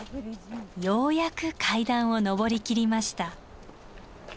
ようやく階段を上りきりました。